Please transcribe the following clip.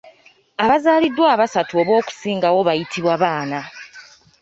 Abazaaliddwa abasatu oba okusingawo bayitibwa baana.